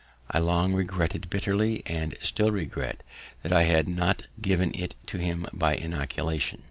I long regretted bitterly, and still regret that I had not given it to him by inoculation.